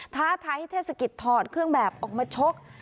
ท้าท้ายเทศกิจถอดเครื่องแบบออกมาชก